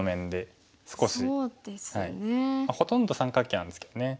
ほとんど三角形なんですけどね